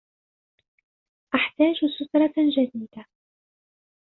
أحتاج سترة جديدة